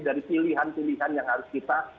dari pilihan pilihan yang harus kita